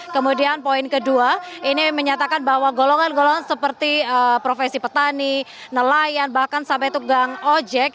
kemudian poin kedua ini menyatakan bahwa golongan golongan seperti profesi petani nelayan bahkan sampai tukang ojek